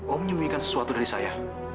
om menyembunyikan sesuatu dari saya